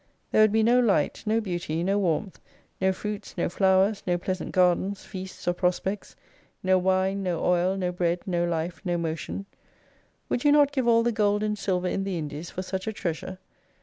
There would be no light, no beauty, no warmth, no fruits, no flowers, no pleasant gardens, feasts, or prospects, no wine, no oil, no bread, no life, no motion, NXTould you not give all the gold and silver in the Indies for such a treasure